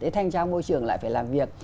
thành trang môi trường lại phải làm việc